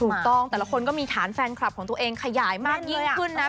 ถูกต้องแต่ละคนก็มีฐานแฟนคลับของตัวเองขยายมากยิ่งขึ้นนะ